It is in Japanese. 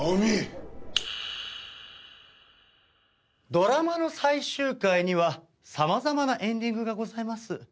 ドラマの最終回には様々なエンディングがございます。